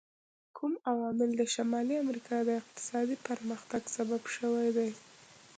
کوم عوامل د شمالي امریکا د اقتصادي پرمختګ سبب شوي دي؟